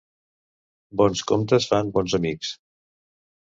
Bons comptes fan bons amics.